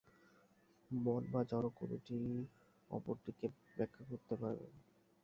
মন বা জড় কোনটিই অপরটিকে ব্যাখ্যা করিতে পারে না।